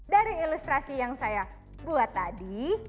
dari ilustrasi yang saya buat tadi